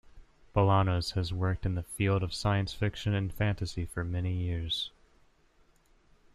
Balanos has worked in the field of science fiction and fantasy for many years.